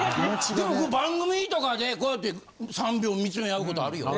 でも番組とかでこうやって３秒見つめ合うことあるよね？